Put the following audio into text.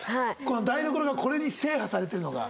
台所がこれに制覇されてるのが。